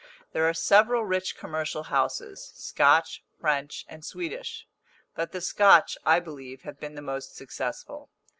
There are several rich commercial houses Scotch, French, and Swedish; but the Scotch, I believe, have been the most successful.